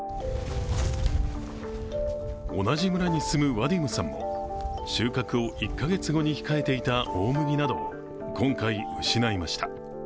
同じ村に住むワディムさんも収穫を１か月後に控えていた大麦などを今回、失いました。